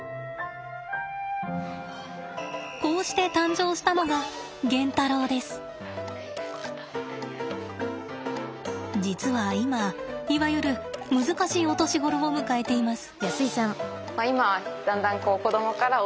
こうして誕生したのが実は今いわゆる難しいお年頃を迎えています。